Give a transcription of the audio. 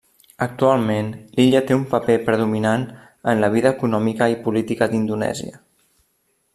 Actualment, l'illa té un paper predominant en la vida econòmica i política d'Indonèsia.